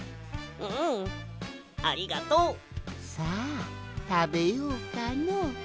うんありがとう！さあたべようかの。